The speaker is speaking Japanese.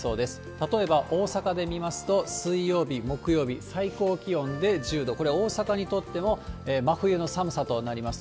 例えば大阪で見ますと、水曜日、木曜日、最高気温で１０度、これは大阪にとっても真冬の寒さとなります。